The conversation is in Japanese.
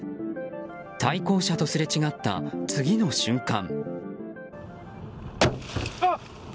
対向車とすれ違った次の瞬間。